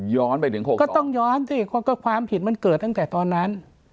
ย้อนไปถึงหกสองก็ต้องย้อนสิเพราะว่าความผิดมันเกิดตั้งแต่ตอนนั้น